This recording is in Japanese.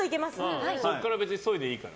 そこから別にそいでいいよ。